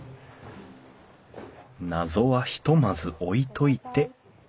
謎はひとまず置いといて！